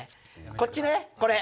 こっちねこれ！